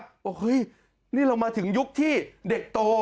เฮ้ยนี่เรามาถึงยุคที่เด็กโต